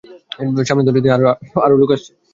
সামনের দরজা দিয়ে আরো লোক আসছে।